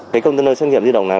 cái container xét nghiệm di động là